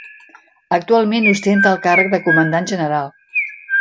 Actualment ostenta el càrrec de Comandant General.